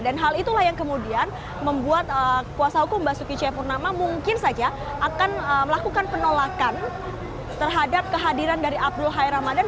dan hal itulah yang kemudian membuat kuasa hukum basuki c purnama mungkin saja akan melakukan penolakan terhadap kehadiran dari abdul hai ramadan